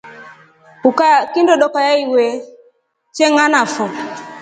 Ukayaa kindo doka ya iwe chenganafo.